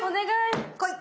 来い！